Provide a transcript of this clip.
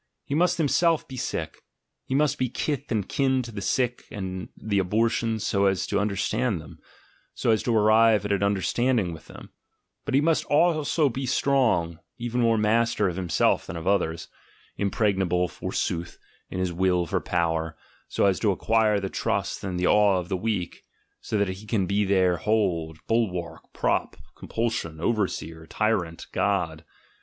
He must himself be sick, he must be kith and kin to the sick and the abortions so as to understand them, so as to arrive at an understanding with them; but he must also be strong, even more master of himself than of others, im pregnable, forsooth, in his will for power, so as to acquire the trust and the awe of the weak, so that he can be their hold, bulwark, prop, compulsion, overseer, tyrant, god.